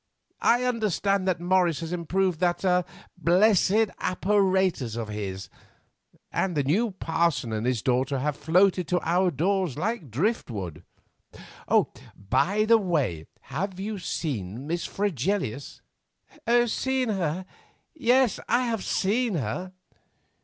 I understand that Morris has improved that blessed apparatus of his, and the new parson and his daughter have floated to our doors like driftwood. By the way, have you seen Miss Fregelius?" "Seen her? Yes, I have seen her."